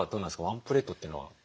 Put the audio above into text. ワンプレートというのは？